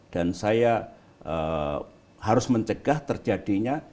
dan saya harus mencegah terjadinya